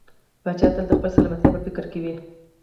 پاچا تل د خپلې سلامتيا په فکر کې وي .